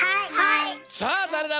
さあだれだろう？